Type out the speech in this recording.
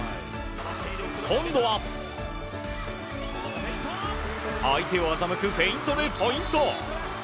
今度は、相手を欺くフェイントでポイント！